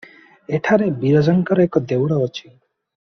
ଏଠାରେ ବିରଜାଙ୍କର ଏକ ଦେଉଳ ଅଛି ।